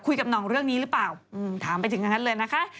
หน่องเรื่องนี้หรือเปล่าถามไปถึงอย่างนั้นเลยนะคะ